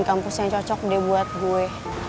kampus yang cocok dia buat gue